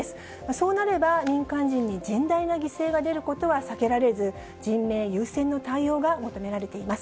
そうなれば、民間人に甚大な犠牲が出ることは避けられず、人命優先の対応が求められています。